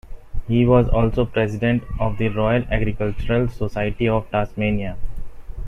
He was also President of the Royal Agricultural Society of Tasmania.